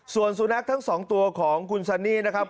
ส่วนสุนัขทั้งสองตัวของคุณซันนี่นะครับ